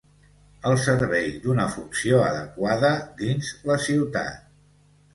al servei d'una funció adecuada dins la ciutat